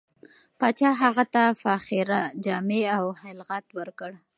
پاچا هغه ته فاخره جامې او خلعت ورکړ.